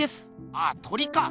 ああ鳥か。